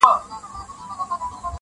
زاړه خلک چوپتيا غوره کوي-